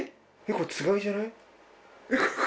これつがいじゃない？